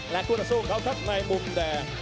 และคู่ต่อสู้เขาครับในมุมแดง